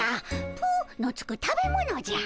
「ぷ」のつく食べ物じゃ。